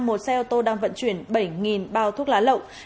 một xe ô tô đang vận chuyển bảy bao thuốc lá lậu